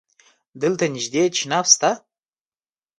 دلته نژدی تشناب شته؟